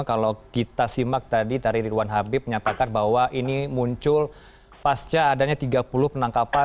kalau kita simak tadi dari ridwan habib menyatakan bahwa ini muncul pasca adanya tiga puluh penangkapan